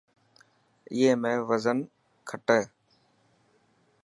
ائي ۾ وزن کهٽي.